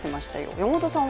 山本さんは？